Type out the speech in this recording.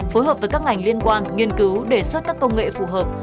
phối hợp với các ngành liên quan nghiên cứu đề xuất các công nghệ phù hợp